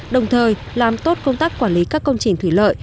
đồng thời làm tốt công tác quản lý các công trình thủy lợi